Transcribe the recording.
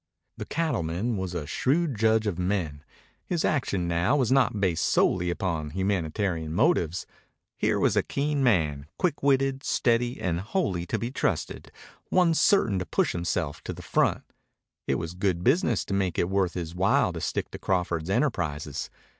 The cattleman was a shrewd judge of men. His action now was not based solely upon humanitarian motives. Here was a keen man, quick witted, steady, and wholly to be trusted, one certain to push himself to the front. It was good business to make it worth his while to stick to Crawford's enterprises.